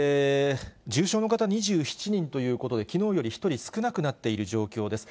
重症の方２７人ということで、きのうより１人少なくなっている状況です。